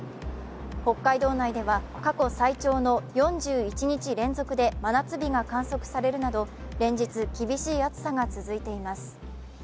北海道内では過去最長の４１日連続で真夏日が観測されるなど連日、厳しい暑さが続いています。